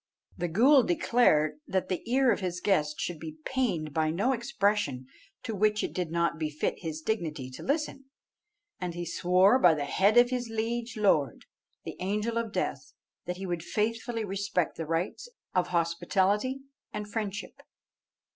The ghool declared that the ear of his guest should be pained by no expression to which it did not befit his dignity to listen; and he swore by the head of his liege lord, the Angel of Death, that he would faithfully respect the rights of hospitality and friendship.